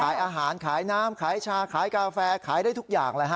ขายอาหารขายน้ำขายชาขายกาแฟขายได้ทุกอย่างเลยฮะ